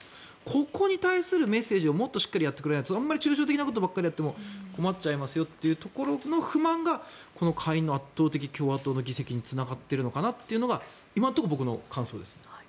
ここに対するメッセージをもっとしっかりやってくれないとあまり抽象的なことばかりやっても困っちゃいますよという医不満がこの下院の圧倒的な共和党の議席につながっているのかなというのが感想です。